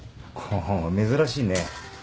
珍しいね。